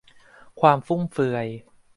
ความฟุ่มเฟือย